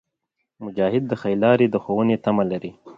مجاهد د ښې لارې د ښوونې تمه لري.